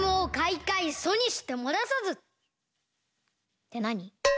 ってなに？